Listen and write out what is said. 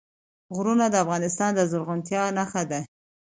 غرونه د افغانستان د زرغونتیا نښه ده.